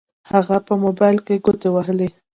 هغه په موبايل کې ګوتې ووهلې.